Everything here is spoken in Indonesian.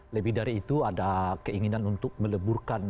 lebih dari itu ada keinginan untuk meleburkan